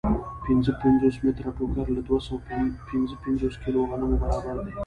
پنځه پنځوس متره ټوکر له دوه سوه پنځه پنځوس کیلو غنمو برابر دی